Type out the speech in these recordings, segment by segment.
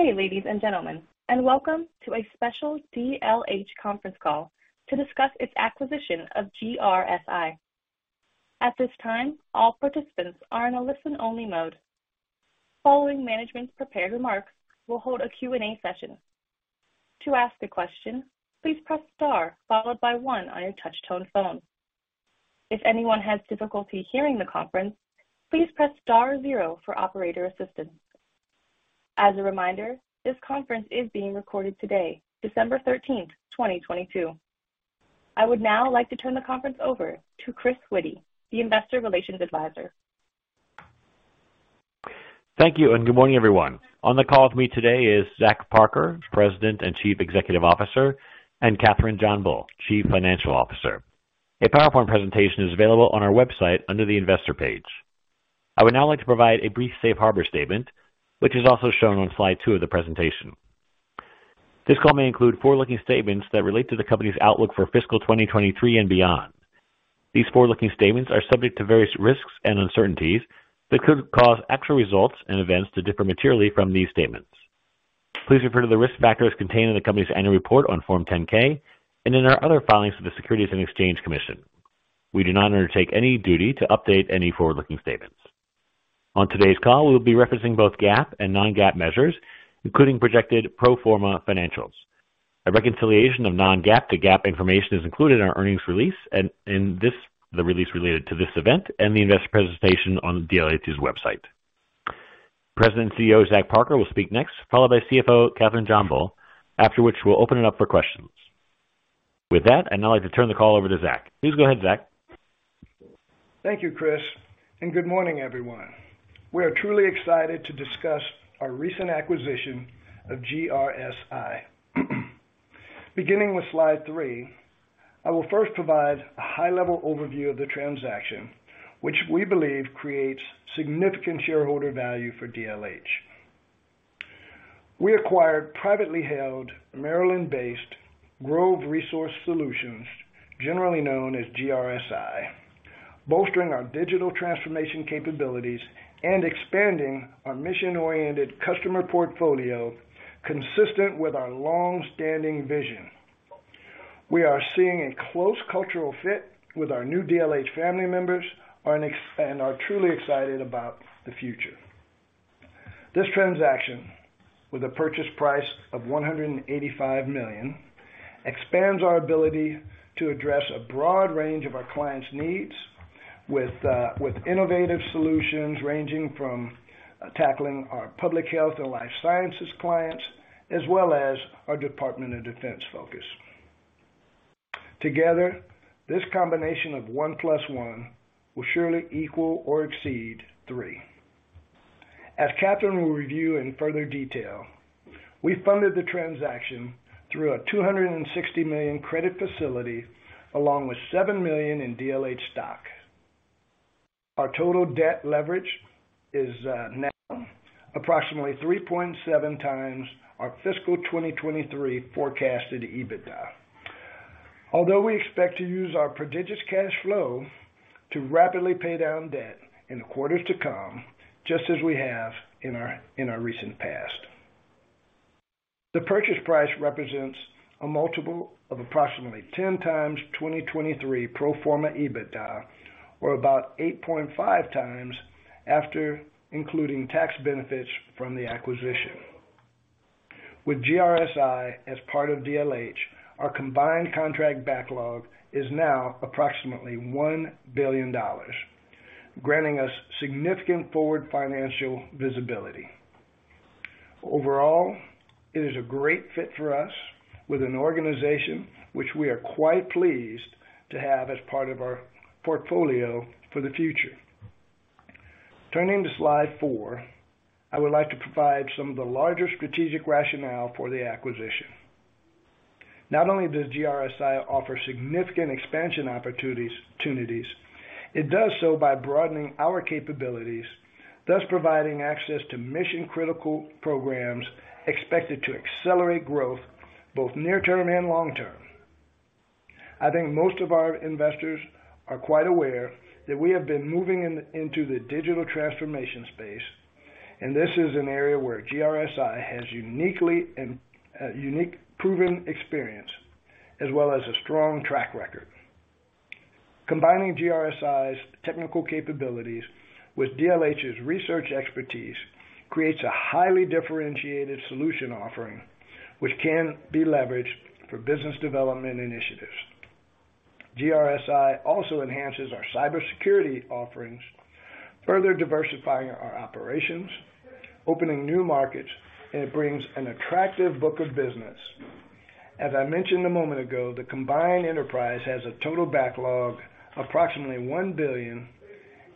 Good day, ladies and gentlemen, and welcome to a special DLH conference call to discuss its acquisition of GRSi. At this time, all participants are in a listen-only mode. Following management's prepared remarks, we'll hold a Q&A session. To ask a question, please press star followed by one on your touch tone phone. If anyone has difficulty hearing the conference, please press star zero for operator assistance. As a reminder, this conference is being recorded today, December 13th, 2022. I would now like to turn the conference over to Chris Witty, the Investor Relations Advisor. Thank you and good morning, everyone. On the call with me today is Zach Parker, President and Chief Executive Officer, and Kathryn JohnBull, Chief Financial Officer. A PowerPoint presentation is available on our website under the investor page. I would now like to provide a brief safe harbor statement, which is also shown on slide two of the presentation. This call may include forward-looking statements that relate to the company's outlook for fiscal 2023 and beyond. These forward-looking statements are subject to various risks and uncertainties that could cause actual results and events to differ materially from these statements. Please refer to the risk factors contained in the company's annual report on Form 10-K and in our other filings to the Securities and Exchange Commission. We do not undertake any duty to update any forward-looking statements. On today's call, we'll be referencing both GAAP and non-GAAP measures, including projected pro forma financials. A reconciliation of non-GAAP to GAAP information is included in our earnings release and in this, the release related to this event and the investor presentation on DLH's website. President CEO Zach Parker will speak next, followed by CFO Kathryn JohnBull, after which we'll open it up for questions. With that, I'd now like to turn the call over to Zach. Please go ahead, Zach. Thank you, Chris, and good morning, everyone. We are truly excited to discuss our recent acquisition of GRSi. Beginning with slide three, I will first provide a high-level overview of the transaction, which we believe creates significant shareholder value for DLH. We acquired privately held Maryland-based Grove Resource Solutions, generally known as GRSi, bolstering our digital transformation capabilities and expanding our mission-oriented customer portfolio consistent with our long-standing vision. We are seeing a close cultural fit with our new DLH family members and are truly excited about the future. This transaction, with a purchase price of $185 million, expands our ability to address a broad range of our clients' needs with innovative solutions ranging from tackling our public health and life sciences clients, as well as our Department of Defense focus. Together, this combination of one plus one will surely equal or exceed three. As Kathryn will review in further detail, we funded the transaction through a $260 million credit facility along with $7 million in DLH stock. Our total debt leverage is now approximately 3.7x our fiscal 2023 forecasted EBITDA. Although we expect to use our prodigious cash flow to rapidly pay down debt in the quarters to come, just as we have in our recent past. The purchase price represents a multiple of approximately 10x 2023 pro forma EBITDA, or about 8.5x after including tax benefits from the acquisition. With GRSi as part of DLH, our combined contract backlog is now approximately $1 billion, granting us significant forward financial visibility. Overall, it is a great fit for us with an organization which we are quite pleased to have as part of our portfolio for the future. Turning to slide four, I would like to provide some of the larger strategic rationale for the acquisition. Not only does GRSi offer significant expansion opportunities, it does so by broadening our capabilities, thus providing access to mission-critical programs expected to accelerate growth both near term and long term. I think most of our investors are quite aware that we have been moving into the digital transformation space, and this is an area where GRSi has uniquely unique proven experience as well as a strong track record. Combining GRSi's technical capabilities with DLH's research expertise creates a highly differentiated solution offering which can be leveraged for business development initiatives. GRSi also enhances our cybersecurity offerings, further diversifying our operations, opening new markets, it brings an attractive book of business. As I mentioned a moment ago, the combined enterprise has a total backlog of approximately $1 billion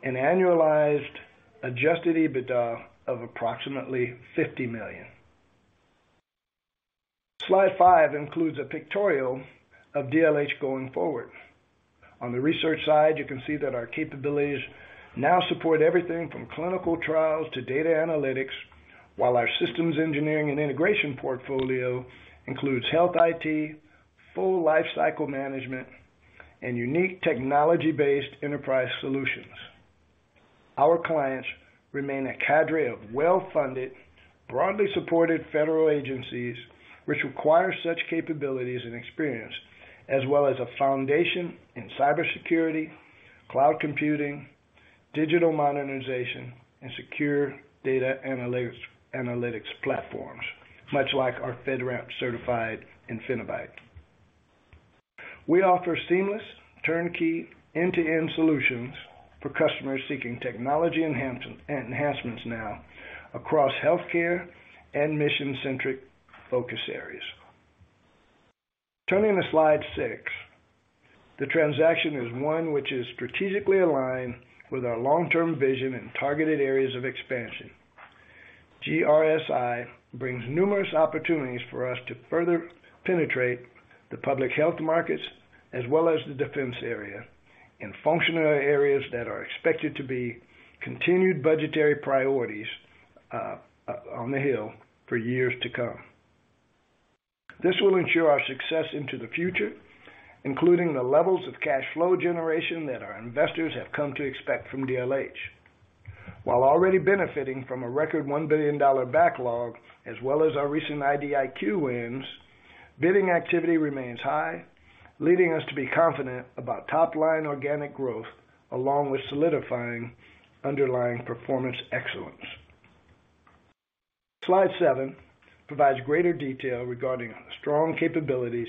and annualized adjusted EBITDA of approximately $50 million. Slide five includes a pictorial of DLH going forward. On the research side, you can see that our capabilities now support everything from clinical trials to data analytics, while our systems engineering and integration portfolio includes health IT, full lifecycle management, and unique technology-based enterprise solutions. Our clients remain a cadre of well-funded, broadly supported federal agencies which require such capabilities and experience, as well as a foundation in cybersecurity, cloud computing, digital modernization, and secure data analytics platforms, much like our FedRAMP certified Infinibyte. We offer seamless, turnkey, end-to-end solutions for customers seeking technology enhancements now across healthcare and mission-centric focus areas. Turning to slide six. The transaction is one which is strategically aligned with our long-term vision and targeted areas of expansion. GRSi brings numerous opportunities for us to further penetrate the public health markets as well as the defense area in functional areas that are expected to be continued budgetary priorities on the hill for years to come. This will ensure our success into the future, including the levels of cash flow generation that our investors have come to expect from DLH. While already benefiting from a record $1 billion backlog as well as our recent IDIQ wins, bidding activity remains high, leading us to be confident about top-line organic growth along with solidifying underlying performance excellence. Slide seven provides greater detail regarding the strong capabilities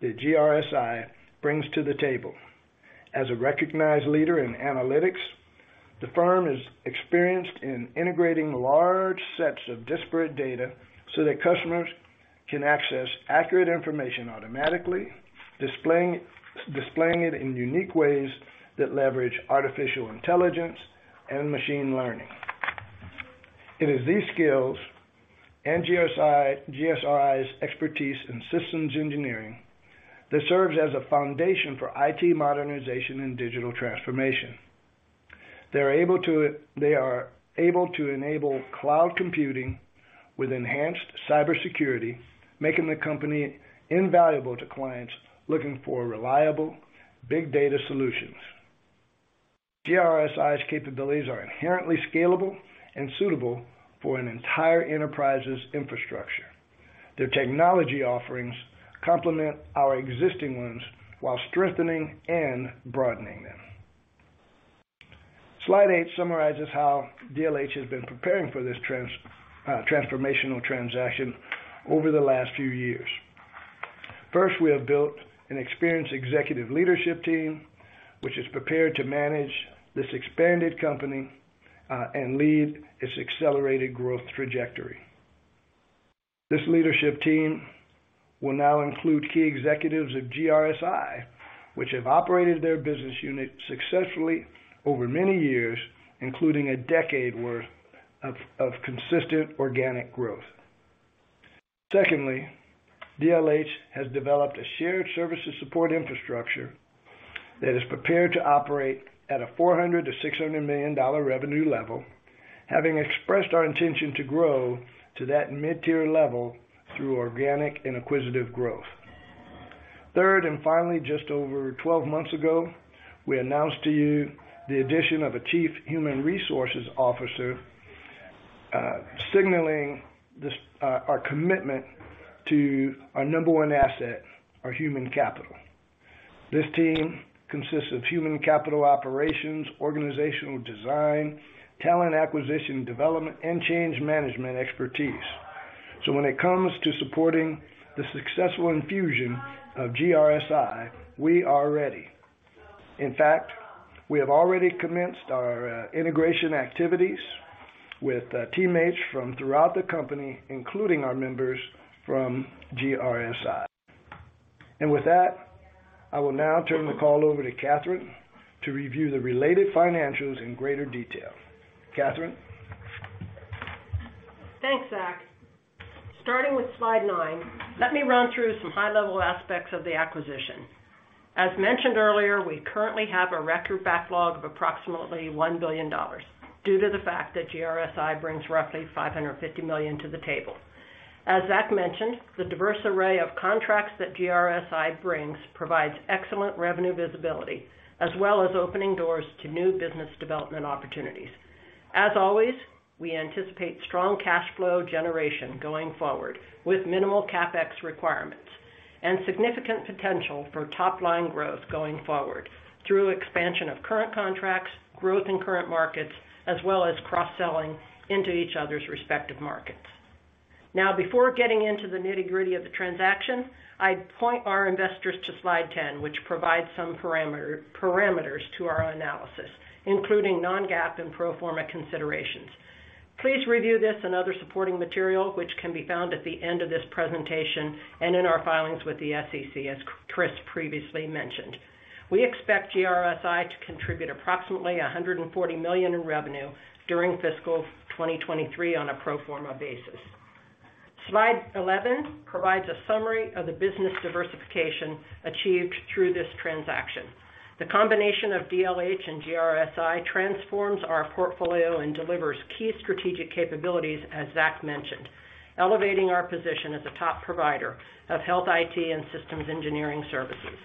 that GRSi brings to the table. As a recognized leader in analytics, the firm is experienced in integrating large sets of disparate data so that customers can access accurate information automatically, displaying it in unique ways that leverage artificial intelligence and machine learning. It is these skills and GRSi's expertise in systems engineering that serves as a foundation for IT modernization and digital transformation. They are able to enable cloud computing with enhanced cybersecurity, making the company invaluable to clients looking for reliable big data solutions. GRSi's capabilities are inherently scalable and suitable for an entire enterprise's infrastructure. Their technology offerings complement our existing ones while strengthening and broadening them. Slide eight summarizes how DLH has been preparing for this transformational transaction over the last few years. First, we have built an experienced executive leadership team which is prepared to manage this expanded company and lead its accelerated growth trajectory. This leadership team will now include key executives of GRSi, which have operated their business unit successfully over many years, including a decade worth of consistent organic growth. Secondly, DLH has developed a shared services support infrastructure that is prepared to operate at a $400 million-$600 million revenue level, having expressed our intention to grow to that mid-tier level through organic and acquisitive growth. Third, and finally, just over 12 months ago, we announced to you the addition of a chief human resources officer, signaling this, our commitment to our number one asset, our human capital. This team consists of human capital operations, organizational design, talent acquisition development, and change management expertise. When it comes to supporting the successful infusion of GRSi, we are ready. In fact, we have already commenced our integration activities with teammates from throughout the company, including our members from GRSi. With that, I will now turn the call over to Kathryn to review the related financials in greater detail. Kathryn? Thanks, Zach. Starting with slide nine, let me run through some high-level aspects of the acquisition. As mentioned earlier, we currently have a record backlog of approximately $1 billion due to the fact that GRSi brings roughly $550 million to the table. As Zach mentioned, the diverse array of contracts that GRSi brings provides excellent revenue visibility, as well as opening doors to new business development opportunities. As always, we anticipate strong cash flow generation going forward with minimal CapEx requirements and significant potential for top-line growth going forward through expansion of current contracts, growth in current markets, as well as cross-selling into each other's respective markets. Before getting into the nitty-gritty of the transaction, I'd point our investors to slide 10, which provides some parameters to our analysis, including non-GAAP and pro forma considerations. Please review this and other supporting material, which can be found at the end of this presentation and in our filings with the SEC, as Chris previously mentioned. We expect GRSi to contribute approximately $140 million in revenue during fiscal 2023 on a pro forma basis. Slide 11 provides a summary of the business diversification achieved through this transaction. The combination of DLH and GRSi transforms our portfolio and delivers key strategic capabilities, as Zach mentioned, elevating our position as a top provider of health IT and systems engineering services.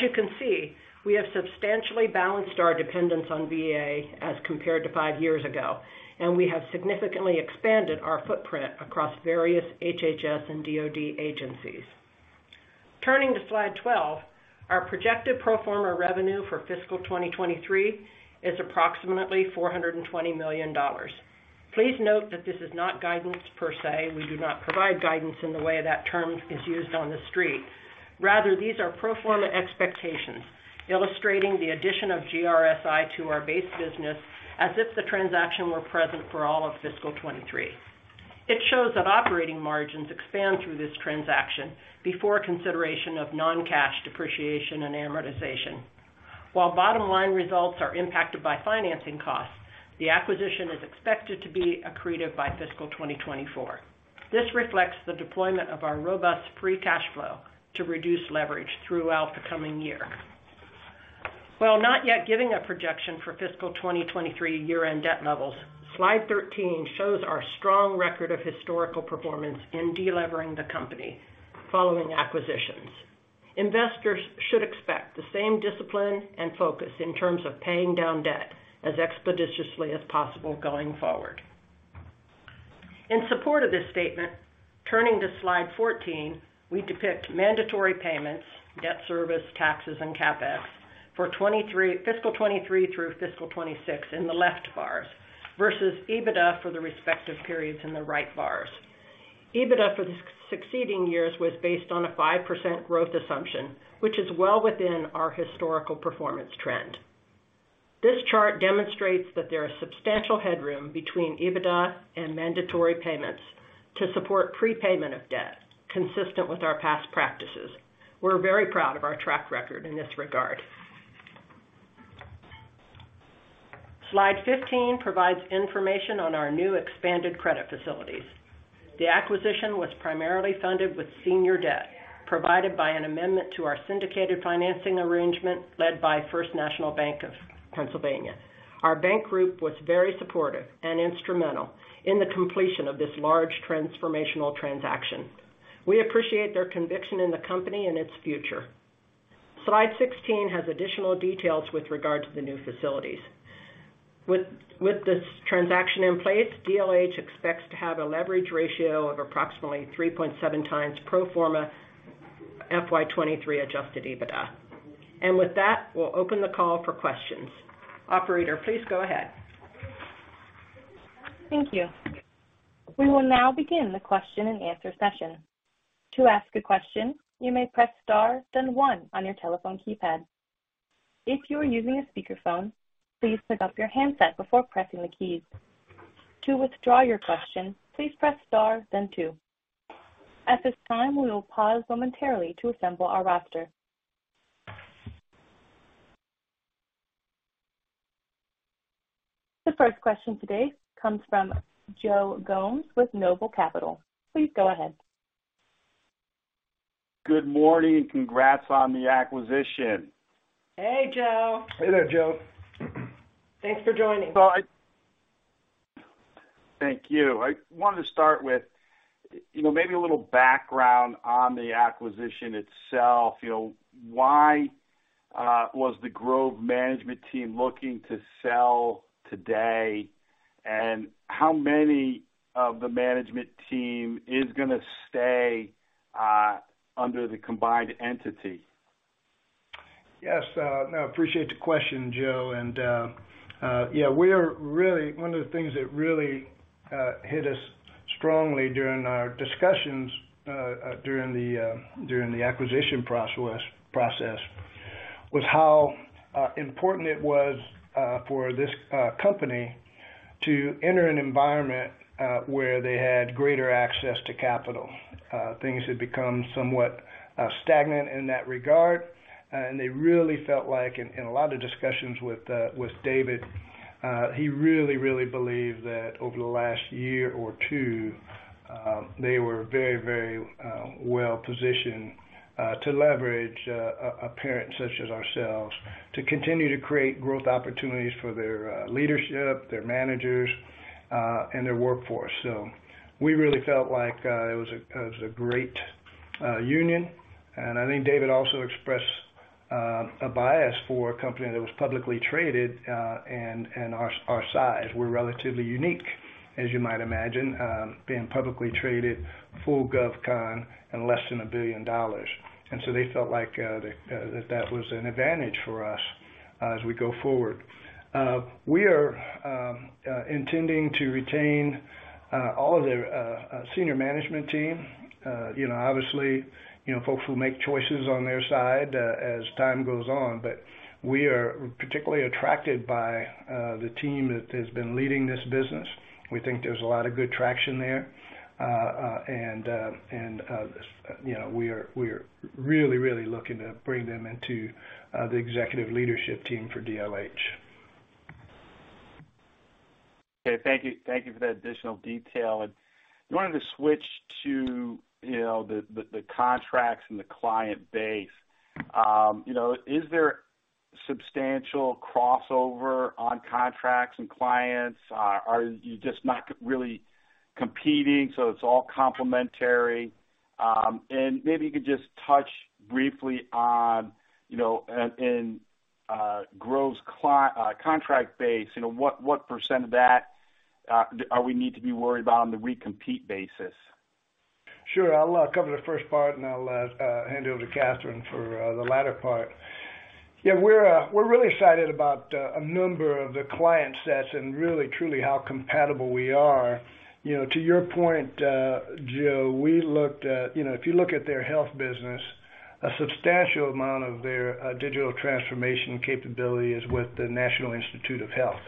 You can see, we have substantially balanced our dependence on VA as compared to five years ago, and we have significantly expanded our footprint across various HHS and DOD agencies. Turning to slide 12, our projected pro forma revenue for fiscal 2023 is approximately $420 million. Please note that this is not guidance per se. We do not provide guidance in the way that term is used on the street. Rather, these are pro forma expectations illustrating the addition of GRSi to our base business as if the transaction were present for all of fiscal 2023. It shows that operating margins expand through this transaction before consideration of non-cash depreciation and amortization. While bottom line results are impacted by financing costs, the acquisition is expected to be accretive by fiscal 2024. This reflects the deployment of our robust free cash flow to reduce leverage throughout the coming year. While not yet giving a projection for fiscal 2023 year-end debt levels, slide 13 shows our strong record of historical performance in de-levering the company following acquisitions. Investors should expect the same discipline and focus in terms of paying down debt as expeditiously as possible going forward. In support of this statement, turning to slide 14, we depict mandatory payments, debt service, taxes, and CapEx for fiscal 2023 through fiscal 2026 in the left bars versus EBITDA for the respective periods in the right bars. EBITDA for the succeeding years was based on a 5% growth assumption, which is well within our historical performance trend. This chart demonstrates that there is substantial headroom between EBITDA and mandatory payments to support prepayment of debt consistent with our past practices. We're very proud of our track record in this regard. Slide 15 provides information on our new expanded credit facilities. The acquisition was primarily funded with senior debt provided by an amendment to our syndicated financing arrangement led by First National Bank of Pennsylvania. Our bank group was very supportive and instrumental in the completion of this large transformational transaction. We appreciate their conviction in the company and its future. Slide 16 has additional details with regard to the new facilities. With this transaction in place, DLH expects to have a leverage ratio of approximately 3.7x pro forma FY 2023 adjusted EBITDA. With that, we'll open the call for questions. Operator, please go ahead. Thank you. We will now begin the question and answer session. To ask a question, you may press star, then one on your telephone keypad. If you are using a speakerphone, please pick up your handset before pressing the keys. To withdraw your question, please press star then two. At this time, we will pause momentarily to assemble our roster. The first question today comes from Joe Gomes with Noble Capital. Please go ahead. Good morning. Congrats on the acquisition. Hey, Joe. Hey there, Joe. Thanks for joining. Thank you. I wanted to start with, you know, maybe a little background on the acquisition itself. You know, why was the Grove management team looking to sell today? How many of the management team is gonna stay under the combined entity? Yes, no, appreciate the question, Joe. Yeah, one of the things that really hit us strongly during our discussions, during the acquisition process was how important it was for this company to enter an environment where they had greater access to capital. Things had become somewhat stagnant in that regard. They really felt like in a lot of discussions with David, he really believed that over the last year or two, they were very well positioned to leverage a parent such as ourselves to continue to create growth opportunities for their leadership, their managers, and their workforce. We really felt like it was a great union. I think David also expressed a bias for a company that was publicly traded, and our size. We're relatively unique, as you might imagine, being publicly traded, full gov con in less than $1 billion. They felt like that was an advantage for us as we go forward. We are intending to retain all of their senior management team. You know, obviously, you know, folks will make choices on their side as time goes on, but we are particularly attracted by the team that has been leading this business. We think there's a lot of good traction there. You know, we are really looking to bring them into the executive leadership team for DLH. Okay. Thank you. Thank you for that additional detail. I wanted to switch to, you know, the, the contracts and the client base. You know, substantial crossover on contracts and clients? Are you just not really competing, so it's all complementary? Maybe you could just touch briefly on, you know, contract base, you know, what percent of that, do we need to be worried about on the recompete basis? Sure. I'll cover the first part, and I'll hand it over to Kathryn for the latter part. Yeah, we're really excited about a number of the client sets and really, truly how compatible we are. You know, to your point, Joe, we looked at, you know, if you look at their health business, a substantial amount of their digital transformation capability is with the National Institutes of Health.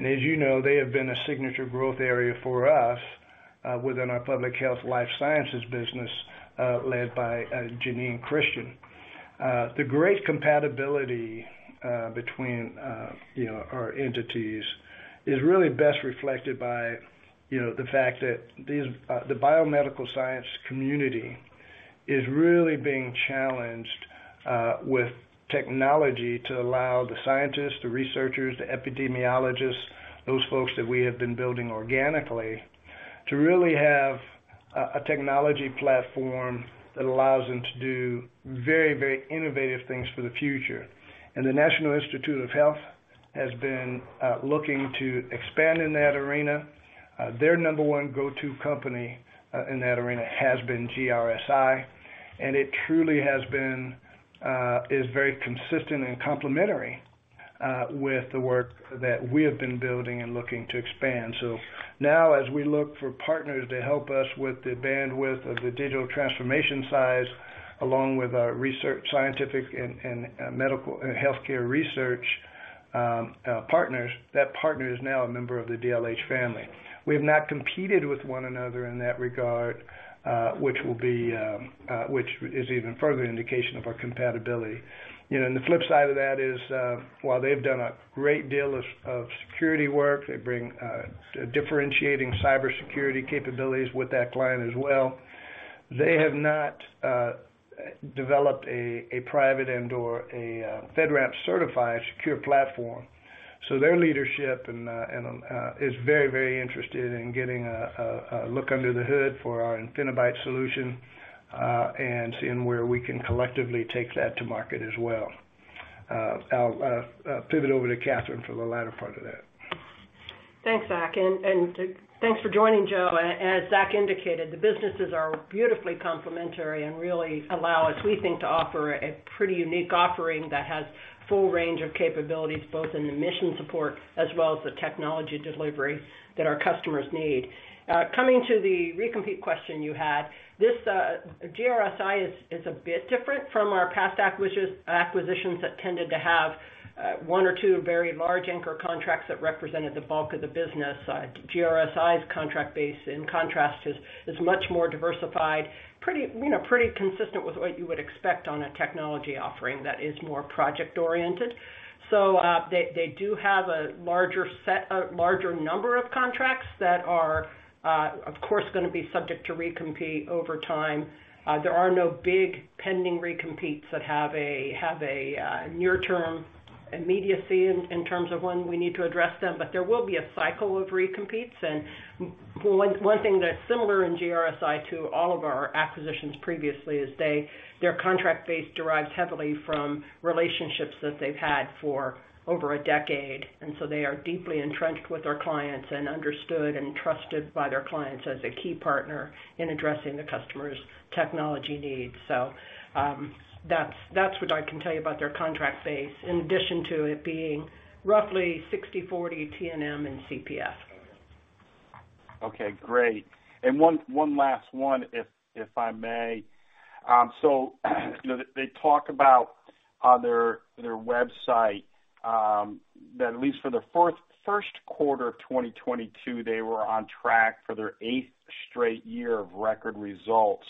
As you know, they have been a signature growth area for us within our public health life sciences business, led by Janine Christian. The great compatibility between, you know, our entities is really best reflected by, you know, the fact that these, the biomedical science community is really being challenged with technology to allow the scientists, the researchers, the epidemiologists, those folks that we have been building organically, to really have a technology platform that allows them to do very, very innovative things for the future. The National Institutes of Health has been looking to expand in that arena. Their number one go-to company in that arena has been GRSi, and it truly has been, is very consistent and complementary with the work that we have been building and looking to expand. Now as we look for partners to help us with the bandwidth of the digital transformation size, along with our research, scientific and medical and healthcare research partners, that partner is now a member of the DLH family. We have not competed with one another in that regard, which will be even further indication of our compatibility. You know, the flip side of that is, while they've done a great deal of security work, they bring differentiating cybersecurity capabilities with that client as well. They have not developed a private and/or a FedRAMP certified secure platform. Their leadership and is very interested in getting a look under the hood for our Infinibyte solution and seeing where we can collectively take that to market as well. I'll pivot over to Kathryn for the latter part of that. Thanks, Zach, and thanks for joining, Joe. As Zach indicated, the businesses are beautifully complementary and really allow us, we think, to offer a pretty unique offering that has full range of capabilities, both in the mission support as well as the technology delivery that our customers need. Coming to the recompete question you had, this GRSi is a bit different from our past acquisitions that tended to have one or two very large anchor contracts that represented the bulk of the business. GRSi's contract base, in contrast, is much more diversified, pretty, you know, pretty consistent with what you would expect on a technology offering that is more project-oriented. They do have a larger number of contracts that are, of course, gonna be subject to recompete over time. There are no big pending recompetes that have a near-term immediacy in terms of when we need to address them, but there will be a cycle of recompetes. One thing that's similar in GRSi to all of our acquisitions previously is their contract base derives heavily from relationships that they've had for over a decade, and so they are deeply entrenched with their clients and understood and trusted by their clients as a key partner in addressing the customer's technology needs. That's, that's what I can tell you about their contract base, in addition to it being roughly 60/40 T&M and CPF. Okay, great. One, one last one, if I may. They talk about on their website, that at least for the first quarter of 2022, they were on track for their eighth straight year of record results.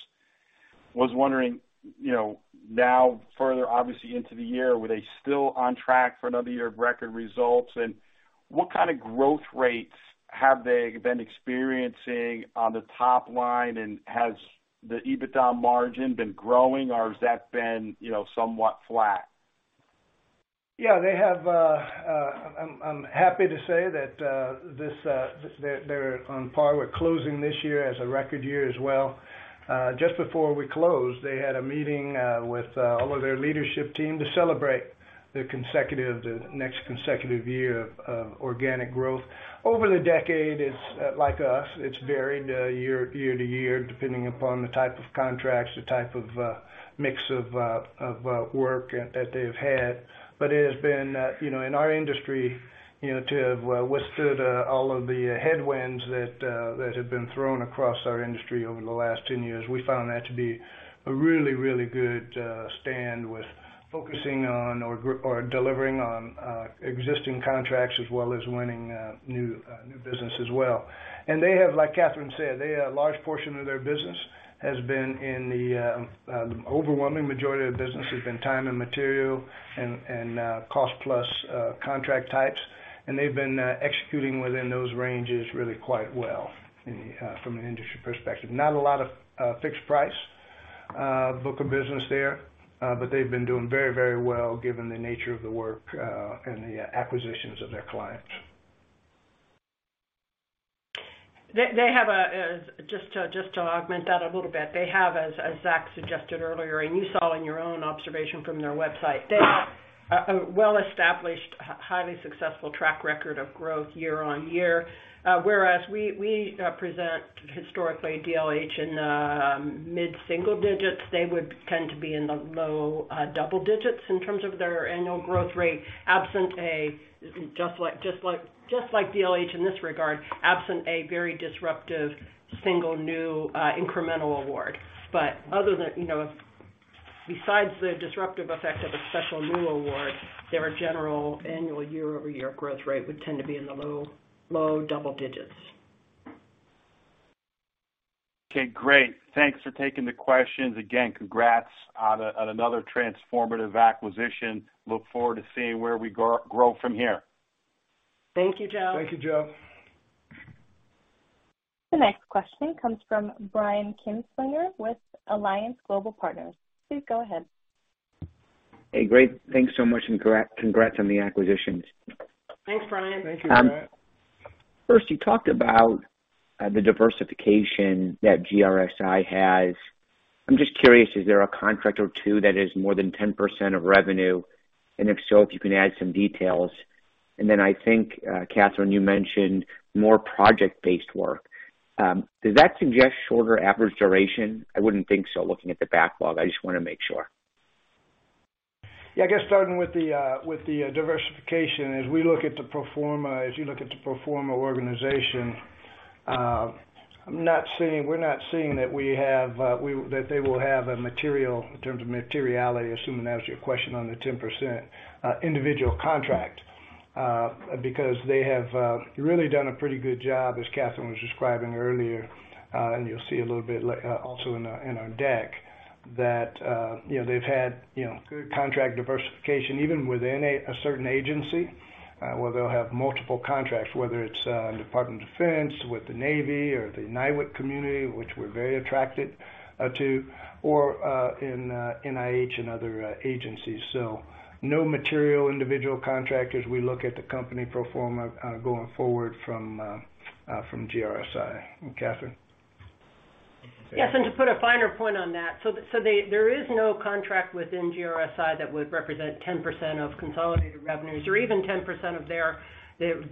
Was wondering, you know, now further obviously into the year, were they still on track for another year of record results? What kind of growth rates have they been experiencing on the top line? Has the EBITDA margin been growing or has that been, you know, somewhat flat? Yeah, they have, I'm happy to say that this that they're on par with closing this year as a record year as well. Just before we closed, they had a meeting with all of their leadership team to celebrate the next consecutive year of organic growth. Over the decade, it's like us, it's varied year to year, depending upon the type of contracts, the type of mix of work that they've had. It has been, you know, in our industry, you know, to have withstood all of the headwinds that have been thrown across our industry over the last 10 years, we found that to be a really, really good stand with focusing on or delivering on existing contracts as well as winning new business as well. They have, like Kathryn said, a large portion of their business has been in the overwhelming majority of the business has been time and material and cost plus contract types, and they've been executing within those ranges really quite well from an industry perspective. Not a lot of fixed price book of business there, but they've been doing very, very well given the nature of the work, and the acquisitions of their clients. They have a just to augment that a little bit. They have, as Zach suggested earlier, and you saw in your own observation from their website, they have a well-established, highly successful track record of growth year on year. Whereas we present historically DLH in the mid-single digits, they would tend to be in the low double digits in terms of their annual growth rate, absent a just like DLH in this regard, absent a very disruptive single new incremental award. Other than, you know, besides the disruptive effect of a special new award, their general annual year-over-year growth rate would tend to be in the low, low double digits. Okay, great. Thanks for taking the questions. Again, congrats on another transformative acquisition. Look forward to seeing where we grow from here. Thank you, Joe. Thank you, Joe. The next question comes from Brian Kinstlinger with Alliance Global Partners. Please go ahead. Hey, great. Thanks so much and congrats on the acquisitions. Thanks, Brian. Thank you, Brian. First, you talked about the diversification that GRSi has. I'm just curious, is there a contract or two that is more than 10% of revenue? If so, if you can add some details. Then I think, Kathryn, you mentioned more project-based work. Does that suggest shorter average duration? I wouldn't think so looking at the backlog. I just wanna make sure. Yeah, I guess starting with the diversification, as you look at the pro forma organization, we're not seeing that we have that they will have a material in terms of materiality, assuming that was your question on the 10% individual contract, because they have really done a pretty good job, as Kathryn was describing earlier, and you'll see a little bit also in our, in our deck, that, you know, they've had, you know, good contract diversification, even within a certain agency, where they'll have multiple contracts, whether it's in Department of Defense, with the Navy or the NIWC community, which we're very attracted to, or in NIH and other agencies. No material individual contract as we look at the company pro forma, going forward from GRSi. Kathryn. Yes. To put a finer point on that, there is no contract within GRSi that would represent 10% of consolidated revenues or even 10% of their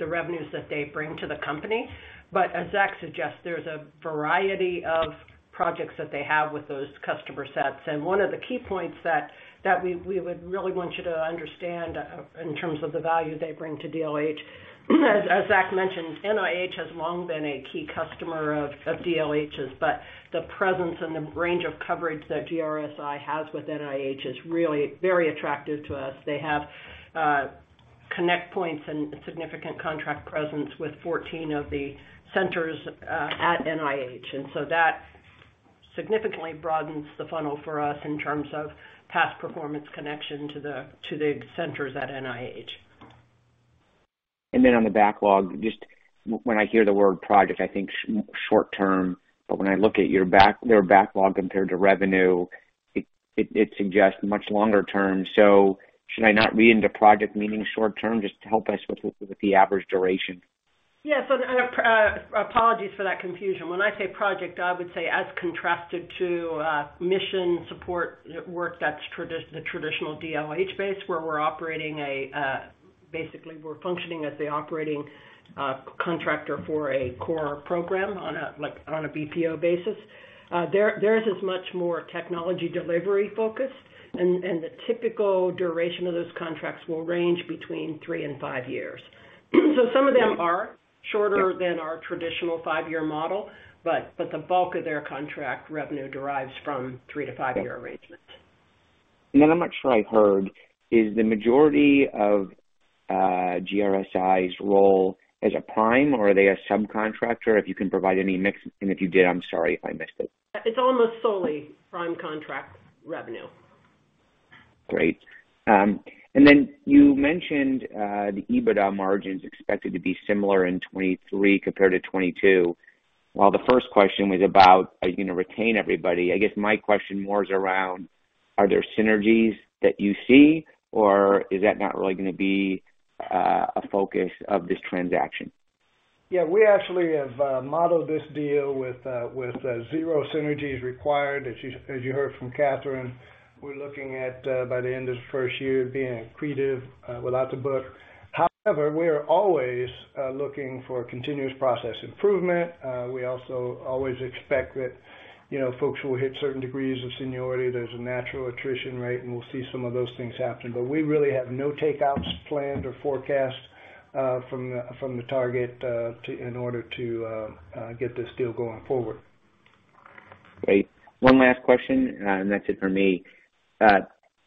revenues that they bring to the company. As Zach suggests, there's a variety of projects that they have with those customer sets. One of the key points that we would really want you to understand in terms of the value they bring to DLH, as Zach mentioned, NIH has long been a key customer of DLH's, but the presence and the range of coverage that GRSi has with NIH is really very attractive to us. They have connect points and significant contract presence with 14 of the centers at NIH. That significantly broadens the funnel for us in terms of past performance connection to the centers at NIH. On the backlog, just when I hear the word project, I think short-term, but when I look at their backlog compared to revenue, it suggests much longer term. Should I not read into project meaning short term? Just help us with the average duration. Yes. Apologies for that confusion. When I say project, I would say as contrasted to mission support work that's the traditional DLH base, where we're operating a basically we're functioning as the operating contractor for a core program on a, like, on a BPO basis. Their, theirs is much more technology delivery-focused, and the typical duration of those contracts will range between three and five years. Some of them are shorter than our traditional five-year model, but the bulk of their contract revenue derives from three- to five-year arrangements. I'm not sure I heard, is the majority of GRSi's role as a prime, or are they a subcontractor? If you can provide any mix, and if you did, I'm sorry if I missed it. It's almost solely prime contract revenue. Great. You mentioned, the EBITDA margin is expected to be similar in 2023 compared to 2022. While the first question was about are you gonna retain everybody, I guess my question more is around, are there synergies that you see, or is that not really gonna be, a focus of this transaction? Yeah, we actually have modeled this deal with zero synergies required. As you heard from Kathryn, we're looking at by the end of the first year being accretive without the book. However, we are always looking for continuous process improvement. We also always expect that, you know, folks will hit certain degrees of seniority. There's a natural attrition rate, and we'll see some of those things happen. We really have no takeouts planned or forecast from the target to in order to get this deal going forward. Great. One last question, and that's it for me.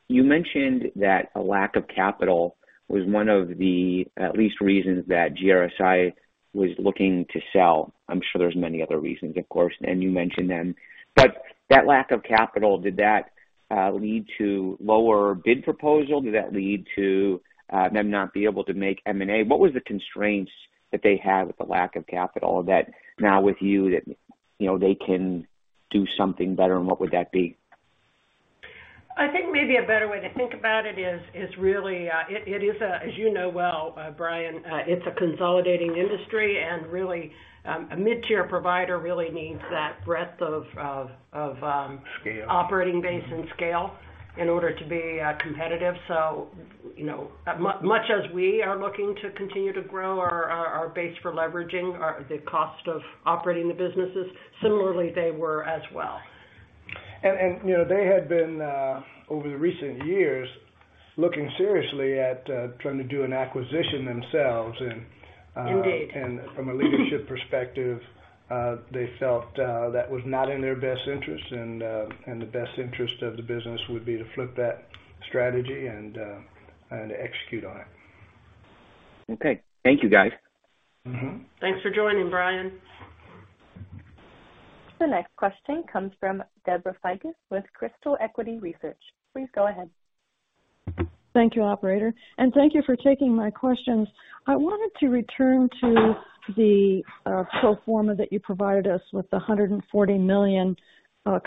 You mentioned that a lack of capital was one of the at least reasons that GRSi was looking to sell. I'm sure there's many other reasons, of course, and you mentioned them. That lack of capital, did that lead to lower bid proposal? Did that lead to them not be able to make M&A? What was the constraints that they had with the lack of capital that now with you that, you know, they can do something better, and what would that be? I think maybe a better way to think about it is really, it is, as you know well, Brian, it's a consolidating industry, and really, a mid-tier provider really needs that breadth of. Scale. Operating base and scale in order to be competitive. You know, much as we are looking to continue to grow our base for leveraging the cost of operating the businesses, similarly they were as well. You know, they had been, over the recent years, looking seriously at, trying to do an acquisition themselves and. Indeed. From a leadership perspective, they felt that was not in their best interest and the best interest of the business would be to flip that strategy and execute on it. Okay. Thank you, guys. Thanks for joining, Brian. The next question comes from Debra Fiakas with Crystal Equity Research. Please go ahead. Thank you, operator, and thank you for taking my questions. I wanted to return to the pro forma that you provided us with the $140 million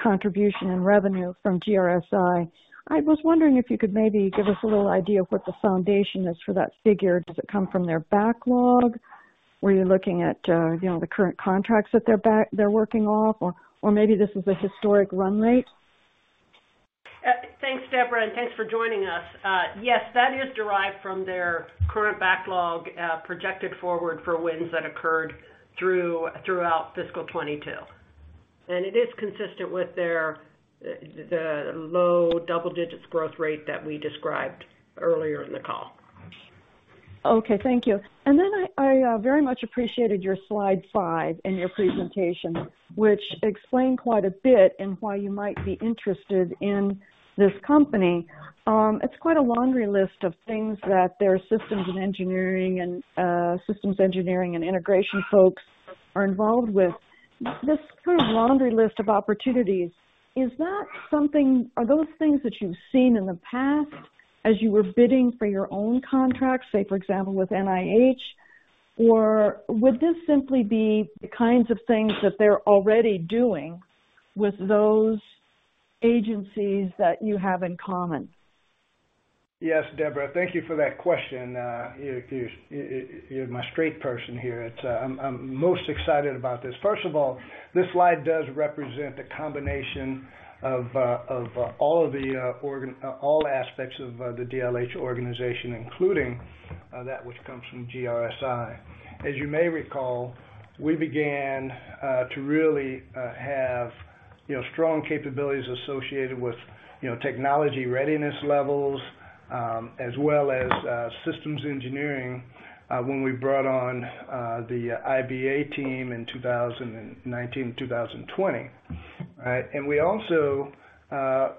contribution in revenue from GRSi. I was wondering if you could maybe give us a little idea of what the foundation is for that figure. Does it come from their backlog? Were you looking at, you know, the current contracts that they're working off or maybe this is a historic run rate? Thanks, Debra, and thanks for joining us. Yes, that is derived from their current backlog, projected forward for wins that occurred throughout fiscal 2022. It is consistent with their, the low double digits growth rate that we described earlier in the call. Okay. Thank you. I, very much appreciated your slide five in your presentation, which explained quite a bit in why you might be interested in this company. It's quite a laundry list of things that their systems and engineering and systems engineering and integration folks are involved with. This kind of laundry list of opportunities, Are those things that you've seen in the past as you were bidding for your own contracts, say, for example, with NIH? Or would this simply be the kinds of things that they're already doing with those agencies that you have in common? Yes, Debra, thank you for that question. You're my straight person here. It's, I'm most excited about this. First of all, this slide does represent the combination of all of the all aspects of the DLH organization, including that which comes from GRSi. As you may recall, we began to really have, you know, strong capabilities associated with, you know, Technology Readiness Levels, as well as systems engineering, when we brought on the IBA team in 2019, 2020, right? We also,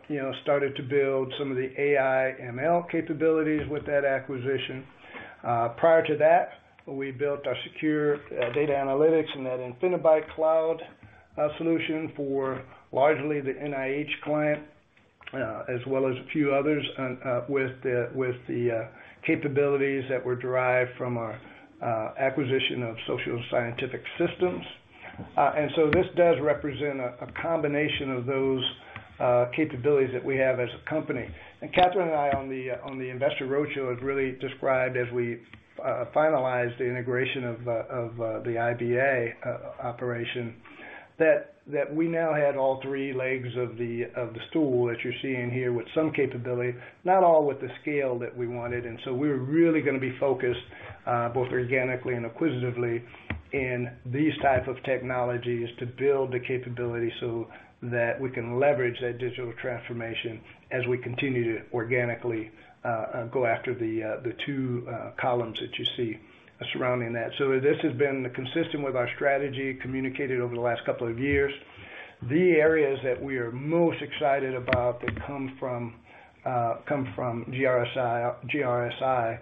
you know, started to build some of the AI, ML capabilities with that acquisition. built our secure data analytics and Infinibyte cloud solution for largely the NIH client, as well as a few others, with the capabilities that were derived from our acquisition of Social & Scientific Systems. This does represent a combination of those capabilities that we have as a company. Kathryn and I on the investor roadshow had really described as we finalized the integration of the IBA operation, that we now had all three legs of the stool that you're seeing here with some capability, not all with the scale that we wanted We're really gonna be focused both organically and acquisitively in these type of technologies to build the capability so that we can leverage that digital transformation as we continue to organically go after the two columns that you see surrounding that. This has been consistent with our strategy communicated over the last couple of years. The areas that we are most excited about that come from come from GRSi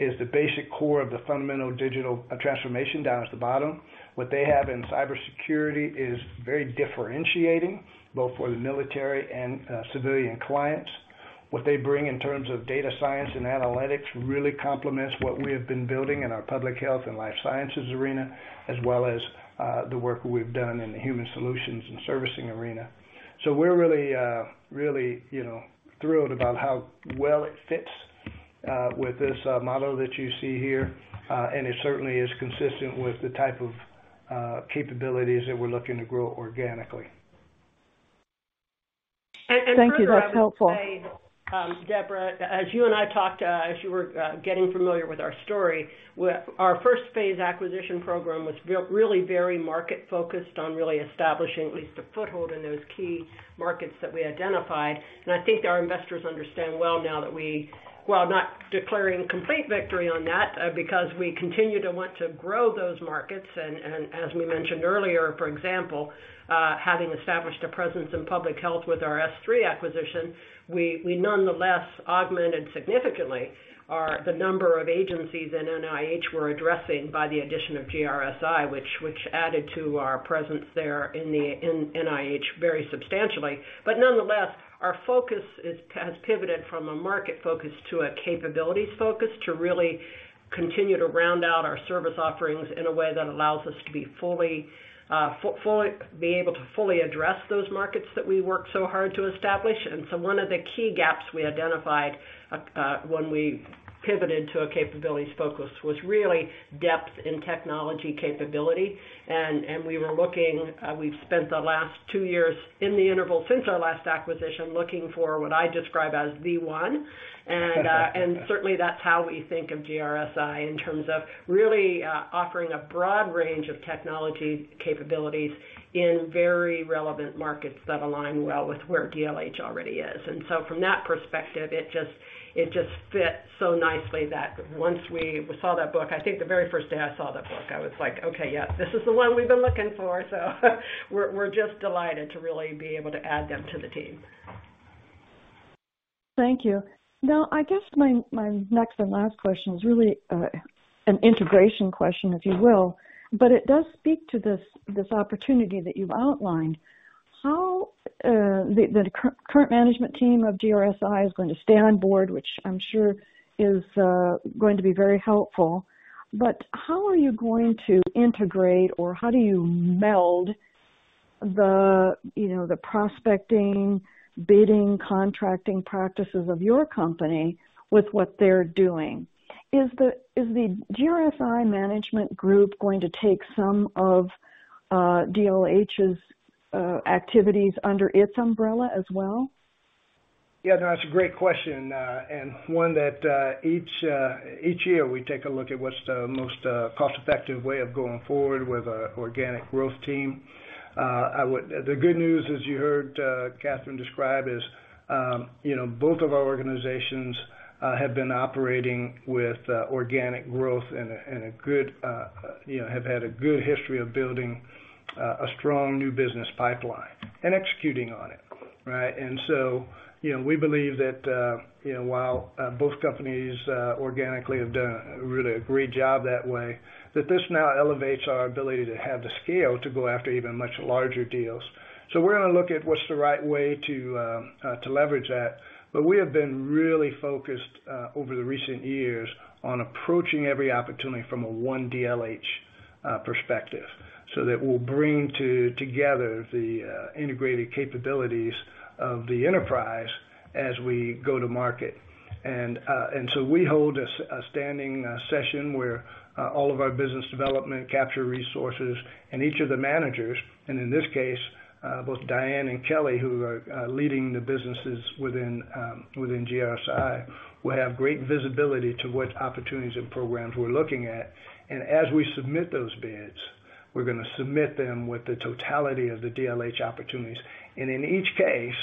is the basic core of the fundamental digital transformation down at the bottom. What they have in cybersecurity is very differentiating, both for the military and civilian clients. What they bring in terms of data science and analytics really complements what we have been building in our public health and life sciences arena, as well as the work we've done in the human solutions and servicing arena. We're really, you know, thrilled about how well it fits with this model that you see here. It certainly is consistent with the type of capabilities that we're looking to grow organically. Thank you. That's helpful. Furthermore, I would say, Debra, as you and I talked, as you were getting familiar with our story, our first phase acquisition program was built really very market-focused on really establishing at least a foothold in those key markets that we identified. I think our investors understand well now that we, while not declaring complete victory on that, because we continue to want to grow those markets, and as we mentioned earlier, for example, having established a presence in public health with our SSS acquisition, we nonetheless augmented significantly the number of agencies in NIH we're addressing by the addition of GRSi, which added to our presence there in NIH very substantially. Nonetheless, our focus has pivoted from a market focus to a capabilities focus to really continue to round out our service offerings in a way that allows us to be fully be able to fully address those markets that we worked so hard to establish. One of the key gaps we identified when we pivoted to a capabilities focus was really depth in technology capability. We were looking, we've spent the last two years in the interval since our last acquisition, looking for what I describe as the one. Certainly that's how we think of GRSi in terms of really offering a broad range of technology capabilities in very relevant markets that align well with where DLH already is. From that perspective, it just fits so nicely that once we saw that book, I think the very first day I saw that book, I was like, "Okay, yeah, this is the one we've been looking for." We're just delighted to really be able to add them to the team. Thank you. I guess my next and last question is really an integration question, if you will. It does speak to this opportunity that you've outlined. How the current management team of GRSi is going to stay on board, which I'm sure is going to be very helpful. How are you going to integrate, or how do you meld the, you know, the prospecting, bidding, contracting practices of your company with what they're doing? Is the GRSi management group going to take some of DLH's activities under its umbrella as well? Yeah, no, that's a great question, and one that each year we take a look at what's the most cost-effective way of going forward with our organic growth team. The good news, as you heard, Kathryn describe is, you know, both of our organizations have been operating with organic growth and a good, you know, have had a good history of building a strong new business pipeline and executing on it, right? You know, we believe that, you know, while both companies organically have done, really a great job that way, that this now elevates our ability to have the scale to go after even much larger deals. We're gonna look at what's the right way to leverage that. We have been really focused over the recent years on approaching every opportunity from a one DLH perspective, so that we'll bring together the integrated capabilities of the enterprise as we go to market. We hold a standing session where all of our business development capture resources and each of the managers, and in this case, both Diane and Kelly, who are leading the businesses within GRSi, will have great visibility to what opportunities and programs we're looking at. As we submit those bids, we're gonna submit them with the totality of the DLH opportunities. In each case,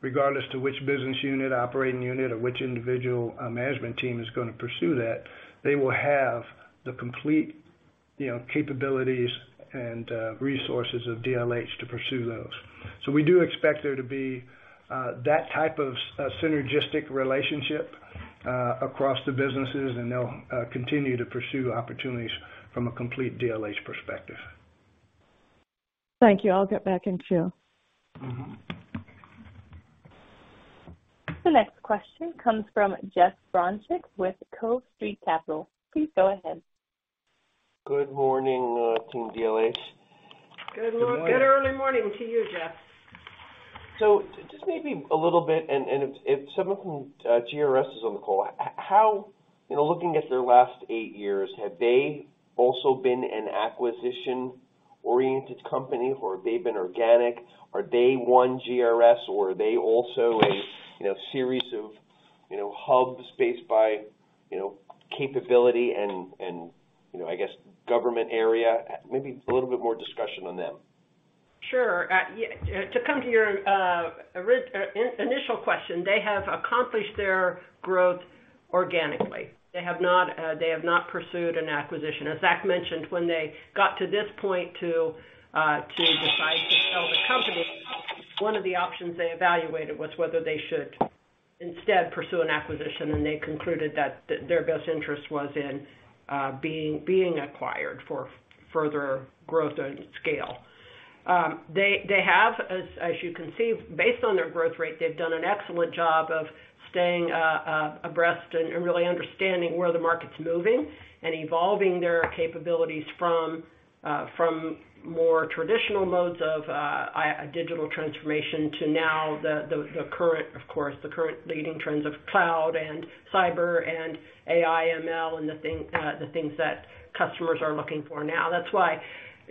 regardless to which business unit, operating unit, or which individual management team is gonna pursue that, they will have the complete, you know, capabilities and resources of DLH to pursue those. We do expect there to be that type of synergistic relationship across the businesses, and they'll continue to pursue opportunities from a complete DLH perspective. Thank you. I'll get back in queue. Mm-hmm. The next question comes from Jeff Bronchick with Cove Street Capital. Please go ahead. Good morning, team DLH. Good morning. Good early morning to you, Jeff. Just maybe a little bit, and if someone from GRS is on the call, how, you know, looking at their last eight years, have they also been an acquisition-oriented company, or have they been organic? Are they one GRS, or are they also a, you know, series of, you know, hubs based by, you know, capability and, you know, I guess government area? Maybe a little bit more discussion on them. Sure. To come to your initial question, they have accomplished their growth organically. They have not pursued an acquisition. As Zach mentioned, when they got to this point to decide to sell the company, one of the options they evaluated was whether they should instead pursue an acquisition, and they concluded that their best interest was in being acquired for further growth and scale. They have, as you can see, based on their growth rate, they've done an excellent job of staying abreast and really understanding where the market's moving and evolving their capabilities from more traditional modes of a digital transformation to now the current, of course, the current leading trends of cloud and cyber and AI, ML, and the things that customers are looking for now. That's why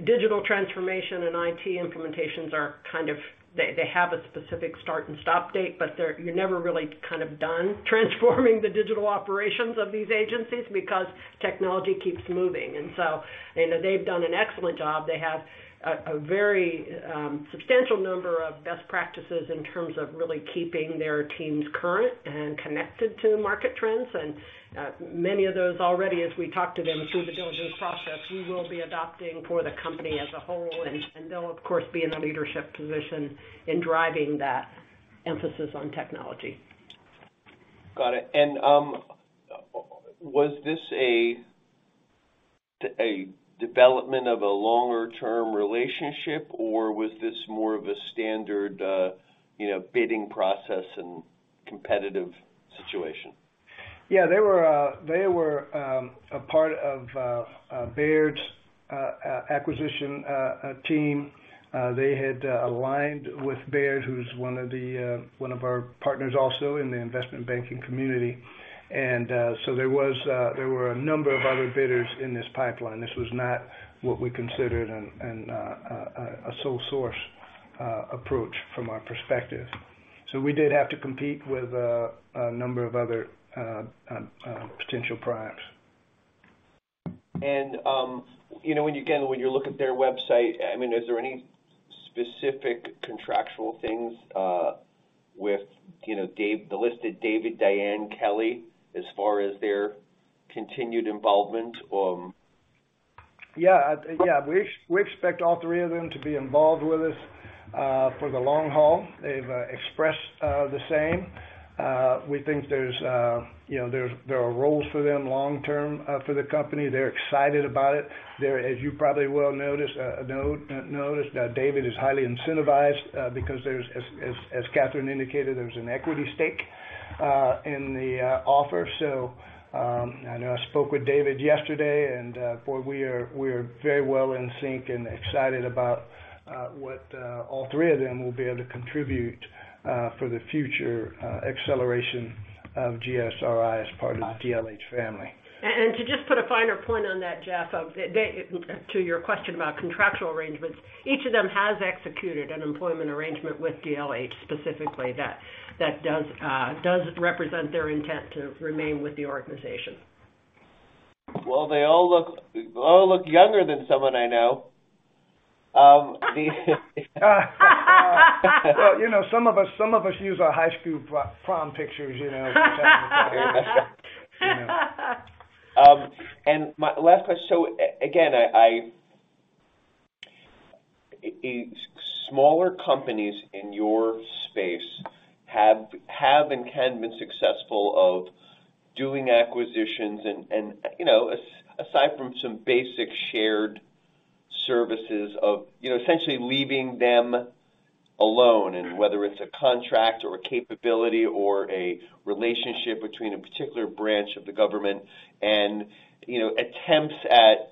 digital transformation and IT implementations are kind of, they have a specific start and stop date, but you're never really kind of done transforming the digital operations of these agencies because technology keeps moving. You know, they've done an excellent job. They have a very substantial number of best practices in terms of really keeping their teams current and connected to market trends. Many of those already, as we talked to them through the diligence process, we will be adopting for the company as a whole, and they'll, of course, be in the leadership position in driving that emphasis on technology. Got it. Was this a development of a longer-term relationship, or was this more of a standard, you know, bidding process and competitive situation? Yeah. They were a part of Baird's acquisition team. They had aligned with Baird, who's one of the one of our partners also in the investment banking community. There were a number of other bidders in this pipeline. This was not what we considered an a sole source approach from our perspective. We did have to compete with a number of other potential buyers. You know, when you, again, when you look at their website, I mean, is there any specific contractual things, with, you know, Dave, the listed David, Diane, Kelly, as far as their continued involvement or. Yeah, yeah. We expect all three of them to be involved with us for the long haul. They've expressed the same. We think there's, you know, there are roles for them long term for the company. They're excited about it. They're as you probably well noticed, know, noticed that David is highly incentivized because there's, as Kathryn indicated, there's an equity stake in the offer. I know I spoke with David yesterday, and boy, we are very well in sync and excited about what all three of them will be able to contribute for the future acceleration of GRSi as part of DLH family. To just put a finer point on that, Jeff, To your question about contractual arrangements, each of them has executed an employment arrangement with DLH specifically that does represent their intent to remain with the organization. Well, they all look younger than someone I know. Well, you know, some of us use our high school pro-prom pictures, you know, sometimes. You know. My last question. Again, smaller companies in your space have and can been successful of doing acquisitions and, you know, aside from some basic shared services of, you know, essentially leaving them alone. Whether it's a contract or a capability or a relationship between a particular branch of the government and, you know, attempts at,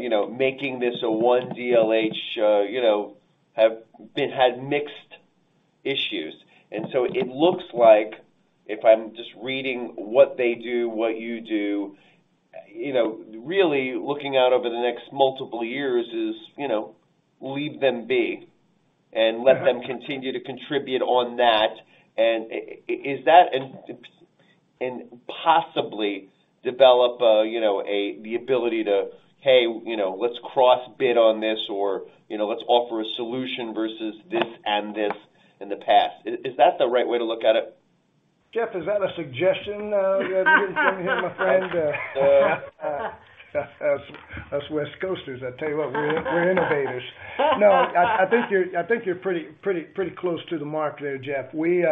you know, making this a one DLH, you know, have been had mixed issues. It looks like if I'm just reading what they do, what you do, you know, really looking out over the next multiple years is, you know, leave them be and let them continue to contribute on that. Possibly develop, you know, the ability to, hey, you know, let's cross bid on this or, you know, let's offer a solution versus this and this in the past. Is that the right way to look at it? Jeff, is that a suggestion you're giving here, my friend? Us West Coasters, I tell you what, we're innovators. I think you're pretty close to the mark there, Jeff. We,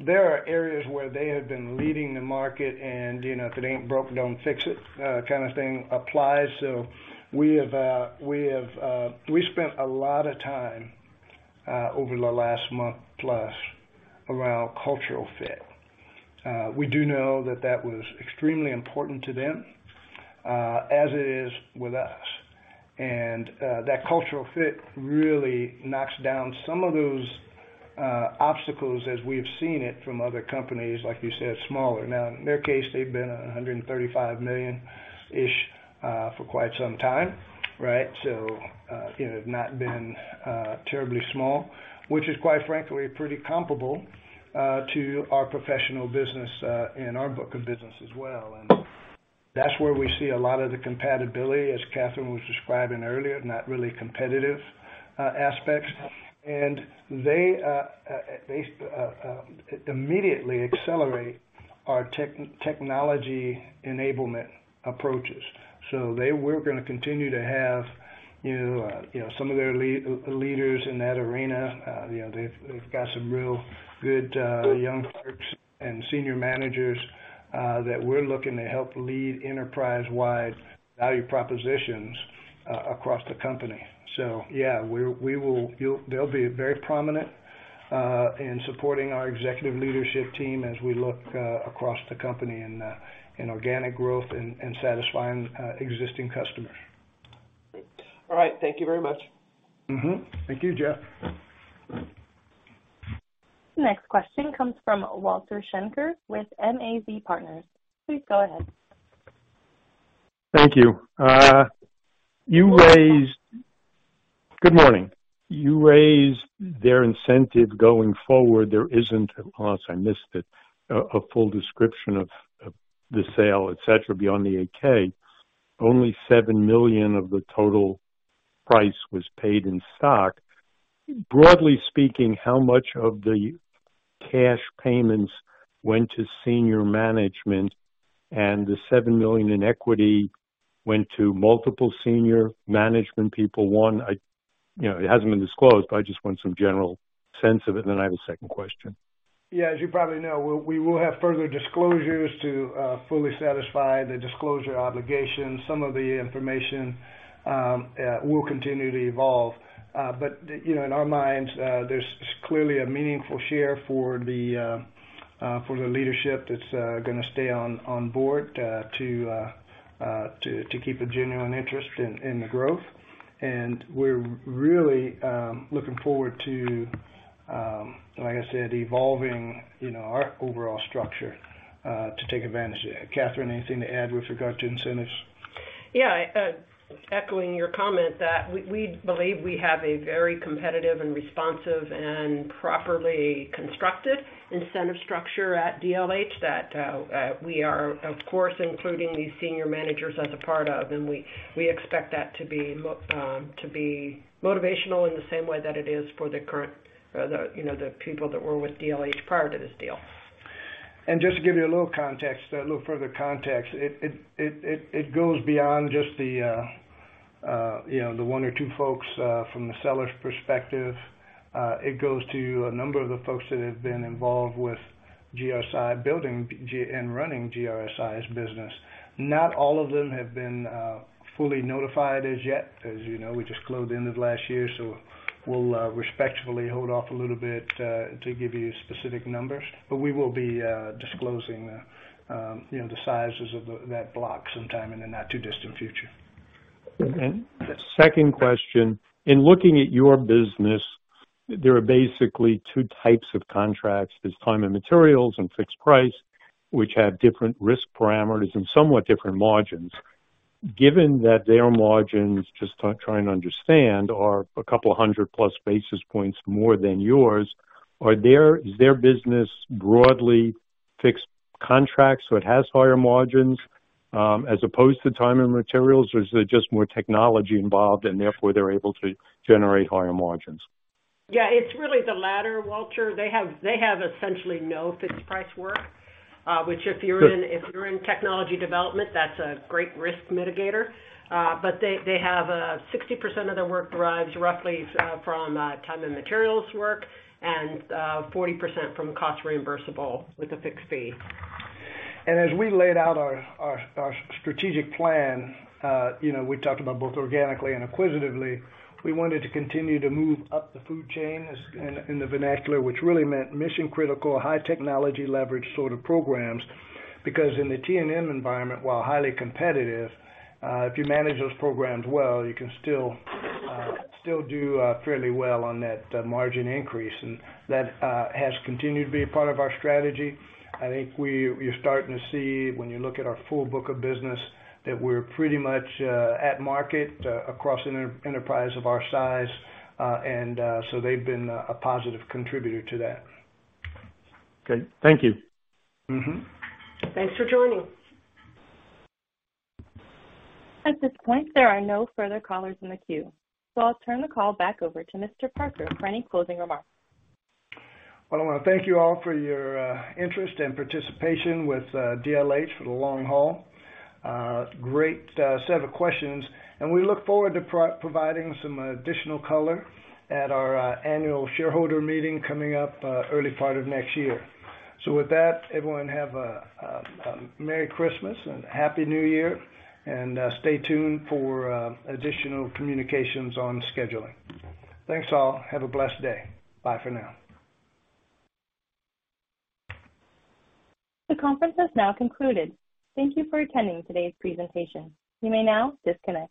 there are areas where they have been leading the market and, you know, if it ain't broke, don't fix it, kind of thing applies. We spent a lot of time over the last month plus around cultural fit. We do know that that was extremely important to them, as it is with us. That cultural fit really knocks down some of those obstacles as we've seen it from other companies, like you said, smaller. In their case, they've been $135 million-ish for quite some time, right? You know, have not been terribly small, which is quite frankly pretty comparable to our professional business and our book of business as well. That's where we see a lot of the compatibility, as Kathryn was describing earlier, not really competitive aspects. They immediately accelerate our technology enablement approaches. We're gonna continue to have, you know, some of their leaders in that arena. You know, they've got some real good young clerks and senior managers that we're looking to help lead enterprise-wide value propositions across the company. Yeah, they'll be very prominent in supporting our executive leadership team as we look across the company in organic growth and satisfying existing customers. Great. All right. Thank you very much. Thank you, Jeff. Next question comes from Walter Schenker with MAZ Partners. Please go ahead. Thank you. Good morning. You raised their incentive going forward. There isn't, unless I missed it, a full description of the sale, et cetera, beyond the 8-K. Only $7 million of the total price was paid in stock. Broadly speaking, how much of the cash payments went to senior management and the $7 million in equity went to multiple senior management people? One, you know, it hasn't been disclosed, but I just want some general sense of it. Then I have a second question. Yeah. As you probably know, we will have further disclosures to fully satisfy the disclosure obligations. Some of the information will continue to evolve. But, you know, in our minds, there's clearly a meaningful share for the leadership that's gonna stay on board to keep a genuine interest in the growth. We're really looking forward to like I said, evolving, you know, our overall structure to take advantage of that. Kathryn, anything to add with regard to incentives? Yeah. Echoing your comment that we believe we have a very competitive and responsive and properly constructed incentive structure at DLH that, we are of course including these senior managers as a part of. We expect that to be motivational in the same way that it is for the current, you know, the people that were with DLH prior to this deal. Just to give you a little context, a little further context, it goes beyond just the, you know, the one or two folks from the sellers perspective. It goes to a number of the folks that have been involved with GRSi building and running GRSi's business. Not all of them have been fully notified as yet. As you know, we just closed the end of last year, so we'll respectfully hold off a little bit to give you specific numbers. We will be disclosing the, you know, the sizes of the, that block sometime in the not too distant future. Second question. In looking at your business, there are basically two types of contracts. There's time and materials and fixed price, which have different risk parameters and somewhat different margins. Given that their margins, trying to understand, are a couple of 100+ basis points more than yours. Is their business broadly fixed contracts, so it has higher margins, as opposed to time and materials? Or is there just more technology involved and therefore they're able to generate higher margins? Yeah, it's really the latter, Walter. They have essentially no fixed price work, which if you're in, if you're in technology development, that's a great risk mitigator. They have a 60% of their work derives roughly from time and materials work and 40% from cost reimbursable with a fixed fee. As we laid out our strategic plan, you know, we talked about both organically and acquisitively, we wanted to continue to move up the food chain, as in the vernacular, which really meant mission critical, high technology leverage sort of programs. Because in the T&M environment, while highly competitive, if you manage those programs well, you can still do fairly well on that margin increase. That has continued to be a part of our strategy. I think you're starting to see when you look at our full book of business, that we're pretty much at market, across an enterprise of our size. They've been a positive contributor to that. Okay. Thank you. Thanks for joining. At this point, there are no further callers in the queue, so I'll turn the call back over to Mr. Parker for any closing remarks. Well, I wanna thank you all for your interest and participation with DLH for the long haul. Great, set of questions, and we look forward to providing some additional color at our annual shareholder meeting coming up early part of next year. With that, everyone, have a merry Christmas and happy new year, and stay tuned for additional communications on scheduling. Thanks, all. Have a blessed day. Bye for now. The conference has now concluded. Thank you for attending today's presentation. You may now disconnect.